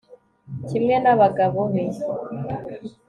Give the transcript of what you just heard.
kimwe n'abagabo be